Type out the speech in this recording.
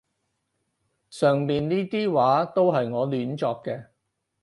上面呢啲話都係我亂作嘅